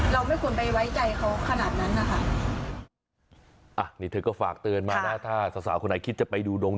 เราไม่คุณไปไว้จักเขาขนาดนั้นน่ะค่ะอ่ะนี่เธอก็ฝากเตือนมานะถ้าสาหัวคนไหนคิดจะไปดูดวง